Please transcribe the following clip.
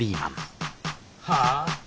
はあ？